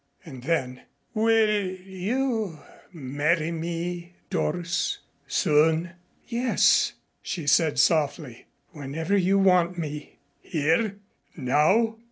And then, "Will you marry me, Doris? Soon?" "Yes," she said softly. "Whenever you want me." "Here? Now?"